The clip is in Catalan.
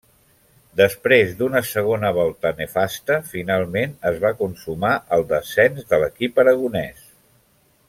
Després d'una segona volta nefasta, finalment es va consumar el descens de l'equip aragonès.